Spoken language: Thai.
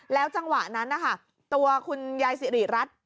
แล้วจังหวะนั้นตัวคุณยายสิริรัตน์